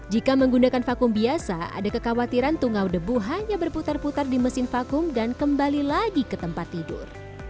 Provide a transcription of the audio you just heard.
jika menggunakan vakum biasa ada kekhawatiran tungau debu hanya berputar putar di mesin vakum dan kembali lagi ke tempat tidur